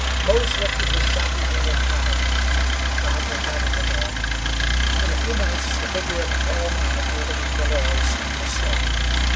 Mose lifted his shaggy head and growled. The hunter patted the dog. In a few minutes the figure of a tall man appeared among the laurels down the slope.